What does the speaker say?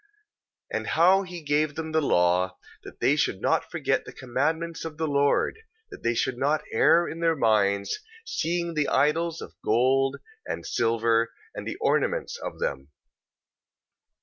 And how he gave them the law, that they should not forget the commandments of the Lord, and that they should not err in their minds, seeing the idols of gold, and silver, and the ornaments of them.